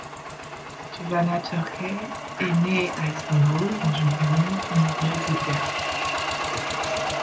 Tuvana Türkay est née à Istanbul dans une famille immigrés bulgares.